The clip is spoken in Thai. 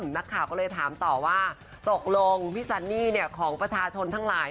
นักข่าวก็เลยถามต่อว่าตกลงพี่ซันนี่ของประชาชนทั้งหลาย